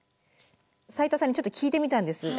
斉田さんにちょっと聞いてみたんです。